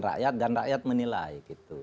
rakyat dan rakyat menilai